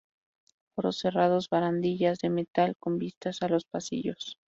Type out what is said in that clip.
Foros cerrados barandillas de metal con vistas a los pasillos.